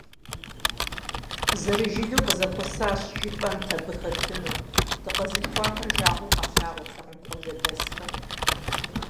Зэрыжылэу къызэхуэсащ жыпӀэнт абы хэтыну: дыкъэзылъхуахэр жагъуэу къалъагъуртэкъым къуажэдэсхэм.